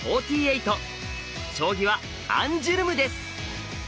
将棋はアンジュルムです。